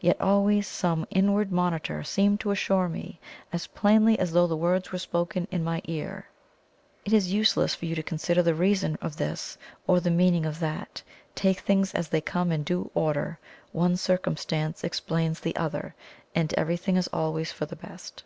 Yet always some inward monitor seemed to assure me, as plainly as though the words were spoken in my ear: "It is useless for you to consider the reason of this, or the meaning of that. Take things as they come in due order: one circumstance explains the other, and everything is always for the best."